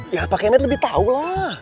ya pak kemet lebih tahu lah